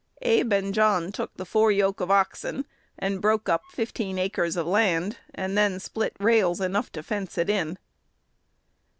Abe and John took the four yoke of oxen and "broke up" fifteen acres of land, and then split rails enough to fence it in.